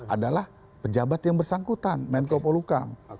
adalah pejabat yang bersangkutan menko pol hukum